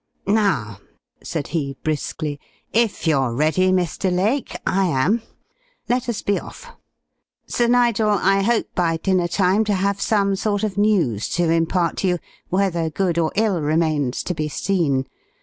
"Now," said he, briskly, "if you're ready, Mr. Lake, I am. Let us be off. Sir Nigel, I hope by dinner time to have some sort of news to impart to you, whether good or ill remains to be seen.